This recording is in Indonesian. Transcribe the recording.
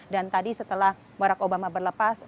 dan tadi setelah barack obama berlepas